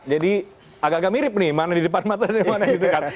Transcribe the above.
jadi agak agak mirip nih mana di depan mata dan mana di dekat